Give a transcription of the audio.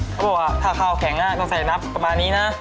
เขาบอกว่าถ้าข้าวแข็งต้องใส่นับประมาณนี้นะ